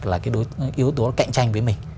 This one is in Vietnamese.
là cái yếu tố cạnh tranh với mình